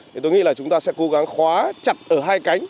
thì tôi nghĩ là chúng ta sẽ cố gắng khóa chặt ở hai cánh